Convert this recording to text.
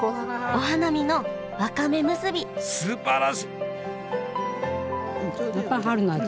お花見のわかめむすびすばらしい。